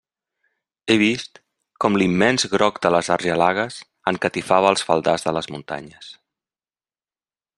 He vist com l'immens groc de les argelagues encatifava els faldars de les muntanyes.